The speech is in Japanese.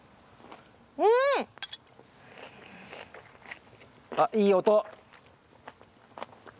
うん！あっいい音！